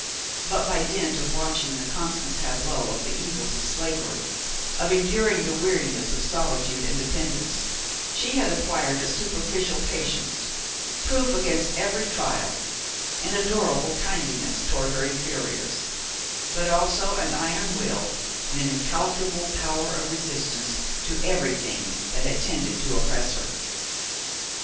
But, by dint of watching the constant tableau of the evils of slavery, of enduring the weariness of solitude and dependence, she had acquired a superficial patience, proof against every trial, an adorable kindliness toward her inferiors, but also an iron will and an incalculable power of resistance to everything that that tended to oppress her.